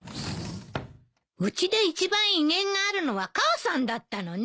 うちで一番威厳があるのは母さんだったのね。